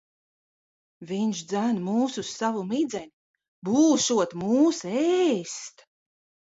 Viņš dzen mūs uz savu midzeni. Būšot mūs ēst.